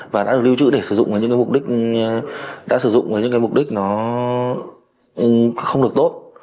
và đã được lưu trữ để sử dụng với những cái mục đích đã sử dụng với những cái mục đích nó không được tốt